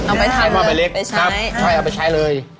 เอาไปทำเลยไปใช้ครับใช่เอาไปใช้เลยใช่เอาไปใช้เลย